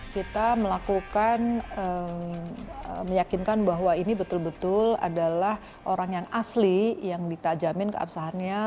kita melakukan meyakinkan bahwa ini betul betul adalah orang yang asli yang ditajamin keabsahannya